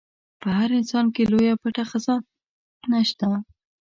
په هر انسان کې لويه پټه خزانه شته.